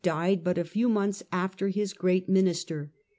died but a few months after his great minister.